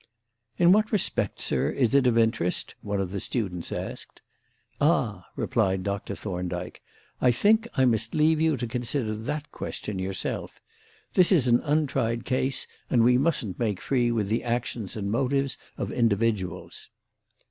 "In what respect, sir, is it of interest?" one of the students asked. "Ah!" replied Dr. Thorndyke, "I think I must leave you to consider that question yourself. This is an untried case, and we mustn't make free with the actions and motives of individuals."